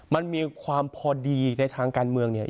มันมีความพอดีในทางการเมืองเนี่ย